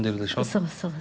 そうそう。